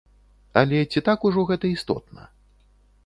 Але ці так ужо гэта істотна?